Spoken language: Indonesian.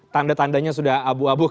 tanda tandanya sudah abuh abuh